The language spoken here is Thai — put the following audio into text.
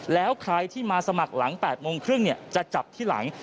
แล้วใครที่มาสมัครหลัง๘โมงครึ่งจะจับที่หลัง